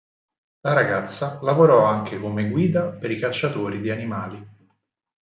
La ragazza lavorò anche come guida per i cacciatori di animali.